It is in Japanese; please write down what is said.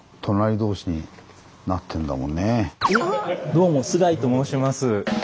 どうも須貝と申します。